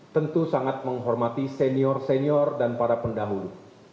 tentu sangat menghormati senior senior dan para pendahulu